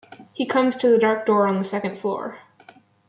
He comes to the dark door on the second floor.